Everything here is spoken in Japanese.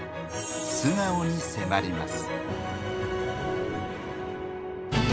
素顔に迫ります。